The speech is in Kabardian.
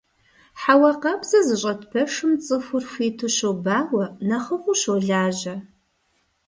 Хьэуа къабзэ зыщӀэт пэшым цӀыхур хуиту щобауэ, нэхъыфӀу щолажьэ.